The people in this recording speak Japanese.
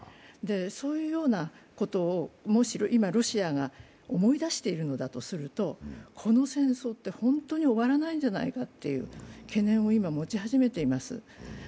そういうようなことをもしロシアが思い出しているのだとすると、この戦争って本当に終わらないんじゃないかという懸念を今、持ち始めています。